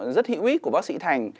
rất hữu ích của bác sĩ thành